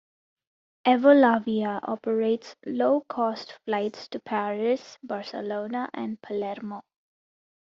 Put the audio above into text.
Evolavia operates low cost flights to Paris, Barcelona, and Palermo.